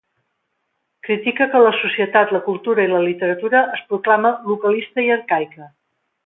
Critica que la societat, la cultura i la literatura es proclama localista i arcaica.